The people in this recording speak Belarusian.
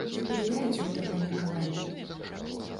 Ці падзяляеце вы такое меркаванне?